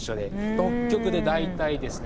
北極で大体ですね